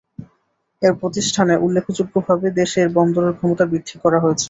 এর প্রতিষ্ঠানে উল্লেখযোগ্যভাবে দেশের বন্দরের ক্ষমতা বৃদ্ধি করা হয়েছে।